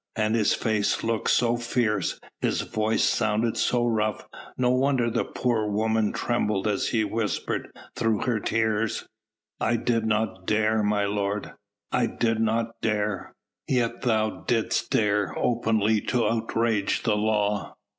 And his face looked so fierce, his voice sounded so rough, no wonder the poor woman trembled as she whispered through her tears: "I did not dare, my lord I did not dare." "Yet thou didst dare openly to outrage the law!"